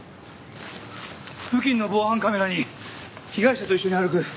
付近の防犯カメラに被害者と一緒に歩く